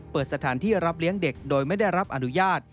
เปิดสถานที่รับเลี้ยงเด็กโดยไม่ได้รับอนุญาต